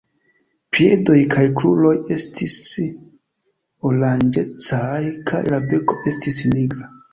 Piedoj kaj kruroj estis oranĝecaj kaj la beko estis nigra.